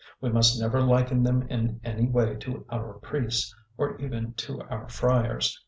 We must never liken them in any way to our priests, or even to our friars.